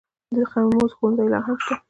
د خیمو ښوونځي لا هم شته؟